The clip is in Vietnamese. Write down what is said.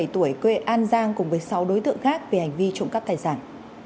hai mươi bảy tuổi quê an giang cùng với sáu đối tượng khác về hành vi trụng cấp tài sản